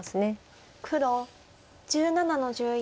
黒１７の十四。